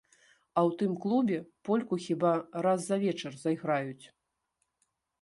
А ў тым клубе польку хіба раз за вечар зайграюць.